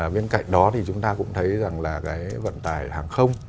bên cạnh đó thì chúng ta cũng thấy rằng là cái vận tải hàng không